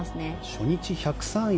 初日１０３位